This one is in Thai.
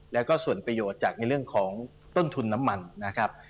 แล้วก็ส่วนประโยชน์จากในเรื่องของต้นทุนน้ำมันนะครับ